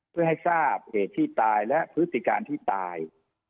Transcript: เพื่อให้ทราบเหตุที่ตายและพฤติการที่ตาย